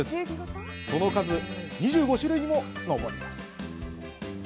その数、２５種類にも上ります。